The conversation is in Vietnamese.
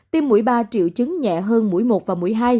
tiêm mũi ba triệu chứng nhẹ hơn mũi một và mũi hai